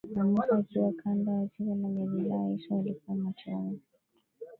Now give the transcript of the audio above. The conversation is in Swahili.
na Musa Akiwa kando ya Ziwa la Galilaya Yesu alikuta umati wa watu